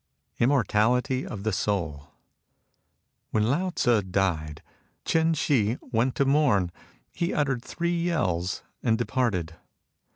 IMMORTALITY OF THE SOUL When Lao Tzu died, Ch'in Shih went to mourn. He uttered three yells and departed.